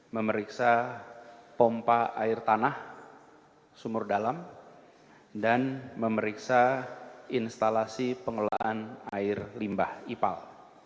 memeriksa pompa air tanah sumur dalam dan memeriksa instalasi pengelolaan air limbah ipal